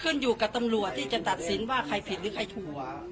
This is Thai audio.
ขึ้นอยู่กับตำรวจที่จะตัดสินว่าใครผิดหรือใครถั่ว